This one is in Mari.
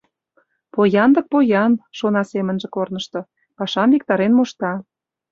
«Поян дык поян, — шона семынже корнышто, — пашам виктарен мошта.